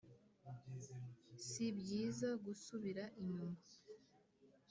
si byiza gusubira inyuma,